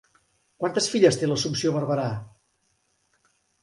Quantes filles té Assumpció Barberà?